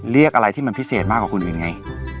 เรียกอะไรที่มันพิเศษมากกว่าคนอื่นไง